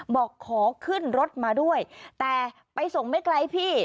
บอกขอขึ้นรถมาด้วยแต่ไปส่งไม่ไกลพี่